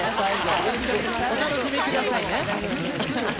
お楽しみくださいね。